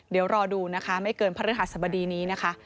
เดี๋ยวรอดูนะคะไม่เกินพระฤหัสบดีนี้นะคะ